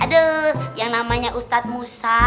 aduh yang namanya ustadz musa